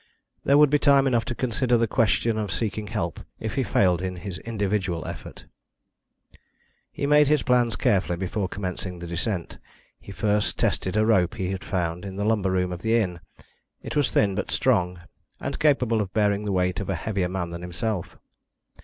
There would be time enough to consider the question of seeking help if he failed in his individual effort. He made his plans carefully before commencing the descent. He first tested a rope he had found in the lumber room of the inn; it was thin but strong and capable of bearing the weight of a heavier man than himself.